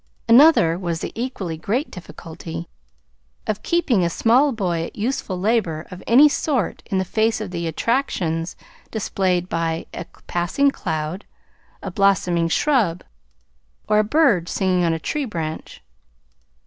Another was the equally great difficulty of keeping a small boy at useful labor of any sort in the face of the attractions displayed by a passing cloud, a blossoming shrub, or a bird singing on a tree branch.